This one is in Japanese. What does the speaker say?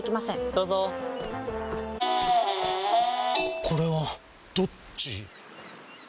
どうぞこれはどっち？